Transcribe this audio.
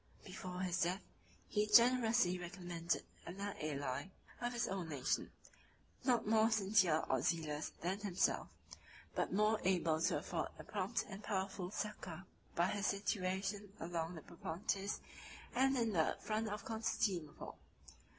48 Before his death, he generously recommended another ally of his own nation; not more sincere or zealous than himself, but more able to afford a prompt and powerful succor, by his situation along the Propontis and in the front of Constantinople.